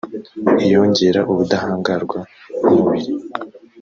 iyongera ubudahangarwa bw’umubiri